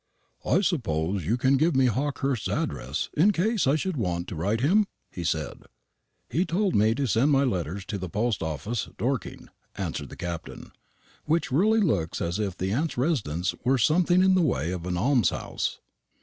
"I suppose you can give me Hawkehurst's address, in case I should want to write to him?" he said. "He told me to send my letters to the post office, Dorking," answered the Captain, "which really looks as if the aunt's residence were something in the way of an almshouse."